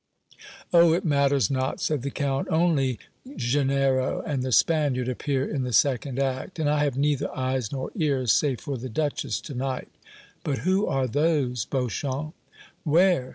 "Oh! it matters not," said the Count; "only Gennaro and the Spaniard appear in the second act, and I have neither eyes nor ears save for the Duchess to night. But who are those, Beauchamp?" "Where?"